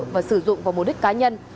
và sử dụng vào mục đích cá nhân